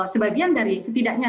sebagian dari setidaknya